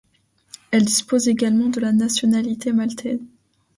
Elle dispose également de la nationalité maltaise.